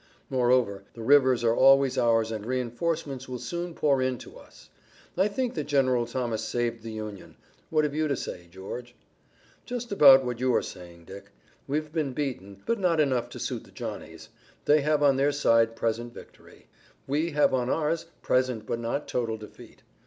Moreover, the rivers are always ours and reinforcements will soon pour in to us. I think that General Thomas saved the Union. What have you to say, George?" "Just about what you are saying, Dick. We've been beaten, but not enough to suit the Johnnies. They have on their side present victory. We have on ours present but not total defeat.